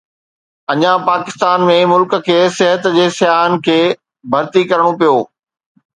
اڃا پاڪستان ۾، ملڪ کي صحت جي سياحن کي ڀرتي ڪرڻو پيو.